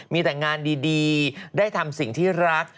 มีแต่งานดีได้ทำสิ่งที่รัก